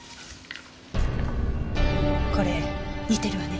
これ似てるわね。